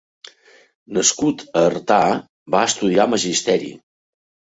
Nascut a Artà, va estudiar magisteri.